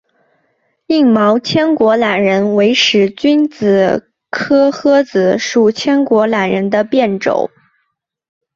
硬毛千果榄仁为使君子科诃子属千果榄仁的变种。